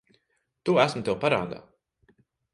To esmu tev parādā.